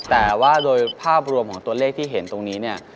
แต่ว่าโดยภาพรวมของตัวเลขที่เห็นตรงนี้เนี่ย